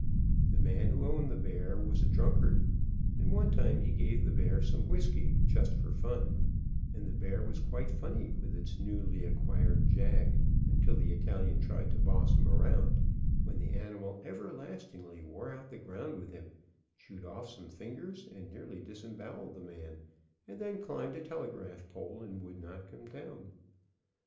The man who owned the bear was a drunkard, and one time he gave the bear some whisky, just for fun, and the bear was quite funny with its newly acquired jag until the Italian tried to boss him around, when the animal everlastingly wore out the ground with him, chewed off some fingers, and nearly disemboweled the man, and then climbed a telegraph pole and would not come down.